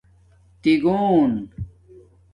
تِگݸن